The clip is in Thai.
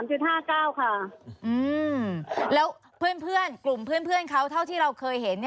แล้วเพื่อนกลุ่มเพื่อนเขาเท่าที่เราเคยเห็น